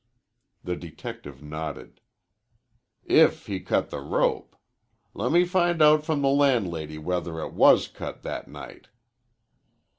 The detective nodded. "If he cut the rope. Lemme find out from the landlady whether it was cut that night."